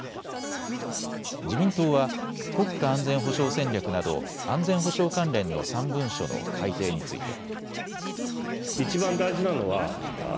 自民党は国家安全保障戦略など安全保障関連の３文書の改定について。